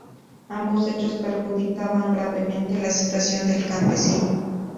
Ambos hechos perjudicaban gravemente la situación del campesino.